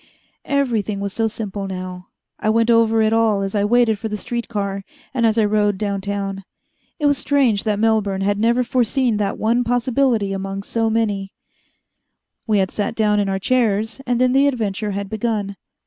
Everything was so simple now. I went over it all as I waited for the street car, and as I rode down town. It was strange that Melbourne had never foreseen that one possibility among so many. We had sat down in our chairs, and then the adventure had begun.